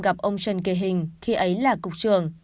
gặp ông trần kỳ hình khi ấy là cục trưởng